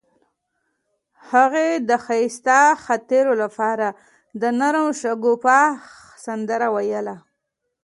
هغې د ښایسته خاطرو لپاره د نرم شګوفه سندره ویله.